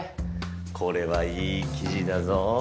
これはいい記事だぞ。